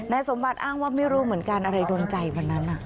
สมบัติอ้างว่าไม่รู้เหมือนกันอะไรโดนใจวันนั้น